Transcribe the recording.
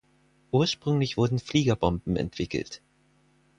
Ursprünglich wurden Fliegerbomben entwickelt.